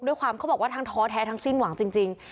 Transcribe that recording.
เขาบอกว่าทั้งท้อแท้ทั้งสิ้นหวังจริง